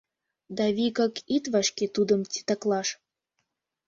Да вигак ит вашке тудым титаклаш.